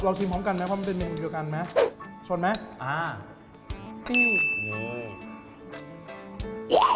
เราชิมพร้อมกันไหมเพราะมันเป็นเม็ดเกี่ยวกันไหมชนไหมอ่า